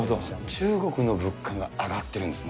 中国の物価が上がってるんですね。